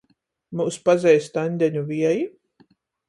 Myus pazeist Aņdeņu vieji?